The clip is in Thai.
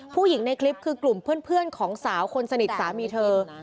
ผู้หญิงในคลิปคือกลุ่มเพื่อนของสาวคนสนิทสามีเธอ